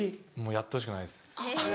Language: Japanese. やってほしくないです。